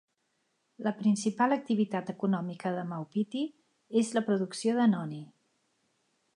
La principal activitat econòmica de Maupiti és la producció de noni.